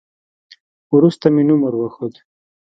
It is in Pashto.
وروسته مې نوم ور وښود.